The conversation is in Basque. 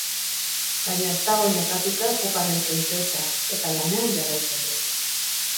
Baina ez dago nekatuta poparen printzesa, eta lanean jarraitzen du.